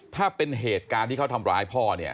ถ้าเป็นเหตุการณ์ที่เขาทำร้ายพ่อเนี่ย